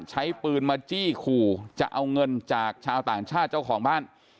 ใช้ปืนมาจี้ขู่จะเอาเงินจากชาวต่างชาติเจ้าของบ้าน